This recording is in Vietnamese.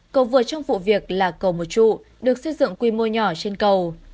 cầu vượt trong vụ việc là cầu một trụ được xây dựng quy mô nhỏ trên cầu